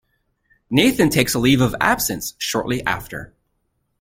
Nathan takes a leave of absence shortly after.